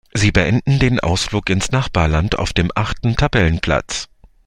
Sie beenden den Ausflug ins Nachbarland auf dem achten Tabellenplatz.